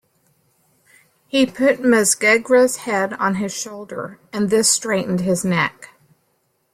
He put Mesgegra's head on his shoulder, and this straightened his neck.